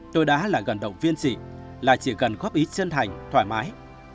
tôi đã là gần động viên chị là chị gần góp ý chân thành thoải mái